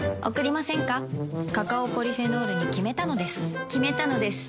カカオポリフェノールに決めたのです決めたのです。